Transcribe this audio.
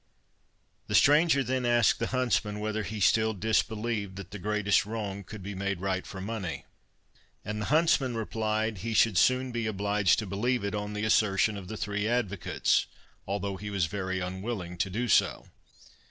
The stranger then asked the huntsman whether he still disbelieved that the greatest wrong could be made right for money, and the huntsman replied that he should soon be obliged to believe it on the assertion of the three advocates, although he was very unwilling to do so.